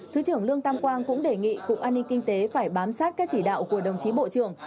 thứ trưởng lương tam quang cũng đề nghị cục an ninh kinh tế phải bám sát các chỉ đạo của đồng chí bộ trưởng